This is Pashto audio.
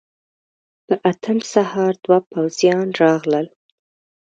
په اتم سهار دوه پوځيان راغلل.